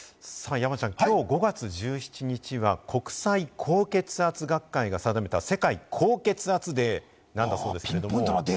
山ちゃん、きょう５月１７日は国際高血圧学会が定めた世界高血圧デーなんだそうです。